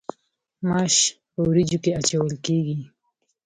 ماش په وریجو کې اچول کیږي.